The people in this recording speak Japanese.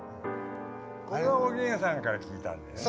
これはおげんさんから聞いたんだよね。